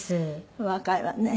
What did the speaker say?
お若いわね。